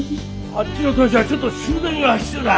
あっちの豚舎ちょっと修繕が必要だ。